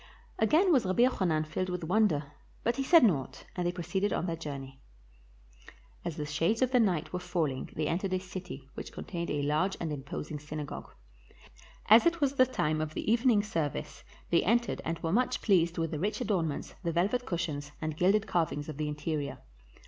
Again was Rabbi Jochanan filled with wonder, but he said naught, and they proceeded on their journey. As the shades of night were falling they entered a city which contained a large and imposing synagogue. As it was the time of the evening service they entered and were much pleased with the rich adornments, the velvet cushions, and gilded carvings of the interior.